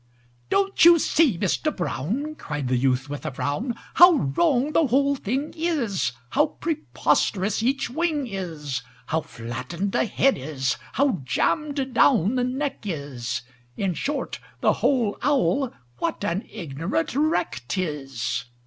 "Don't you see, Mister Brown," Cried the youth, with a frown, "How wrong the whole thing is, How preposterous each wing is, How flattened the head is, how jammed down the neck is In short, the whole owl, what an ignorant wreck 't is!